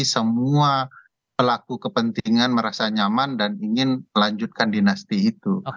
semua pelaku kepentingan merasa nyaman dan ingin melanjutkan dinasti itu